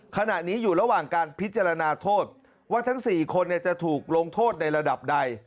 ขณะนี้อยู่ระหว่างการพิจารณาโทษว่าทั้ง๔คนจะถูกลงโทษในระดับใด